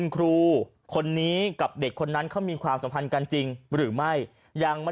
ครูคนนี้กับเด็กคนนั้นเขามีความสัมพันธ์กันจริงหรือไม่ยังไม่